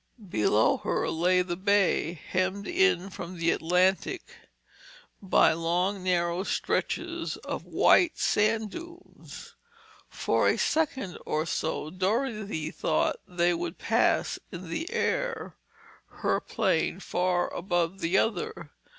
Below her now lay the Bay, hemmed in from the Atlantic by long narrow stretches of white sand dunes. For a second or so Dorothy thought they would pass in the air, her plane far above the other.